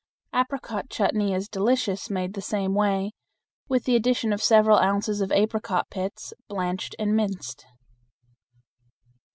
Apricot chutney is delicious made the same way, with the addition of several ounces of apricot pits, blanched and minced.